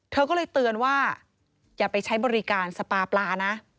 เธอก็เลยเตือนว่าอย่าไปใช้บริการสปาปลานะ